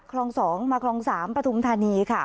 คลอง๒มาคลอง๓ปฐุมธานีค่ะ